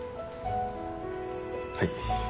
はい。